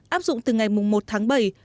áp dụng từ ngày một tháng bảy